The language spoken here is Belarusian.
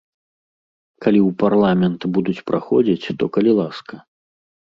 Калі ў парламент будуць праходзіць, то калі ласка.